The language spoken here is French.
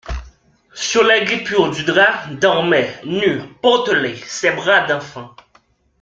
Sur les guipures du drap, dormaient, nus, potelés, ses bras d'enfant.